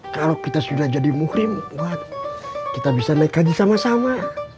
kalau kita sudah jadi muhrim kita bisa naik haji sama sama